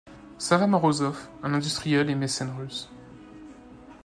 Savva Morozov — un industriel et mécène russe.